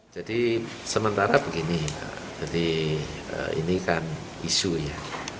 jadi sementara begini ini kan isu ya